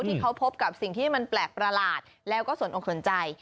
ที่เขาพบกับสิ่งที่มันแปลกประหลาดแล้วก็สนอกสนใจ